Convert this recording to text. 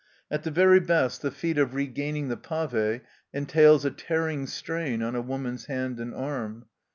At the very best, the feat ON THE ROAD 71 of regaining the pave entails a tearing strain on a woman's hand and arm.